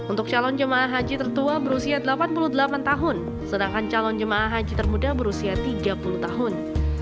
untuk calon jemaah haji tertua berusia delapan puluh delapan tahun sedangkan calon jemaah haji termuda berusia tiga puluh tahun